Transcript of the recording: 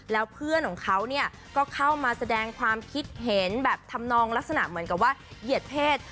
แล้วเพื่อนของเขาก็เข้ามาแสดงความคิดเห็นแบบทำนองลักษณะเหมือนกับว่าเหยียดเพศ